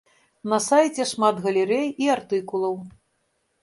На сайце шмат галерэй і артыкулаў.